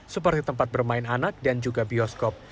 seperti tempat bermain anak dan juga bioskop